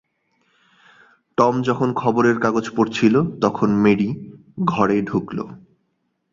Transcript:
Tom যখন খবরের কাগজ পড়ছিল তখন মেরি ঘরে ঢুকল।